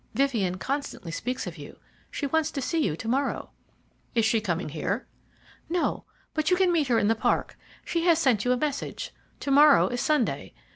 Vivien constantly speaks of you. She wants to see you to morrow." "Is she coming here?" "No, but you can meet her in the park. She has sent you a message. To morrow is Sunday.